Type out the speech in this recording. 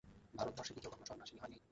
ভারতবর্ষে কি কেউ কখনো সন্ন্যাসিনী হয় নি?